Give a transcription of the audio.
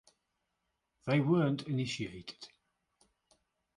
They weren't initiated.